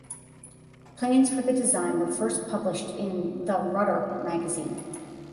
Plans for the design were first published in "The Rudder" magazine.